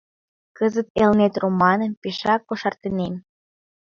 Кызыт «Элнет» романым пешак кошартынем.